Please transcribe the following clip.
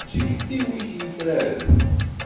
D tikti-iw i yufraren.